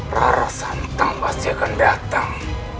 rara santang pasti akan datang